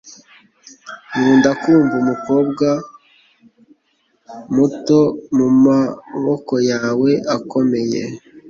Nkunda kumva umukobwa muto mumaboko yawe akomeye